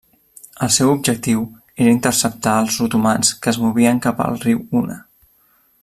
El seu objectiu era interceptar els otomans que es movien cap al riu Una.